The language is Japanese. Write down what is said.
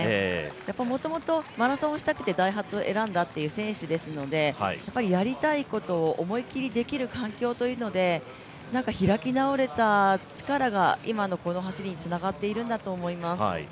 やっぱりもともとマラソンをしたくてダイハツを選んだっていう選手ですので、やりたいことを思い切りやれる環境にいたことで、開き直れたことが今のこの走りにつながっているんだと思います。